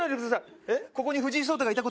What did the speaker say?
ここに藤井聡太がいた事。